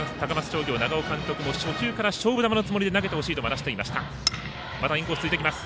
商業長尾監督も初球から勝負球のつもりで投げてほしいと話していました。